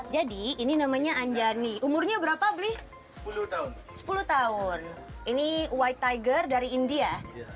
jadi ini namanya anjani umurnya berapa beli sepuluh tahun sepuluh tahun ini white tiger dari india